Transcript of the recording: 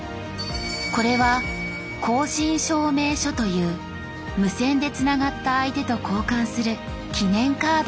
これは交信証明書という無線でつながった相手と交換する記念カード。